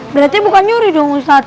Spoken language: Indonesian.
berarti bukan nyuri dong ustadz